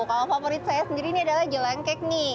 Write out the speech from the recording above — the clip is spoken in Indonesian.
kalau favorit saya sendiri ini adalah jelang kek nih